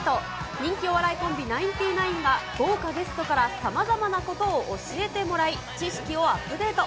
人気お笑いコンビ、ナインティナインが豪華ゲストからさまざまなことを教えてもらい、知識をアップデート。